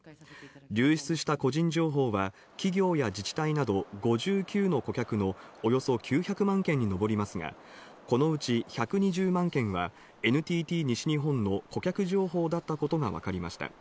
流出した個人情報は企業や自治体など、５９の顧客のおよそ９００万件にのぼりますが、このうち１２０万件はＮＴＴ西日本の顧客情報だったことがわかりました。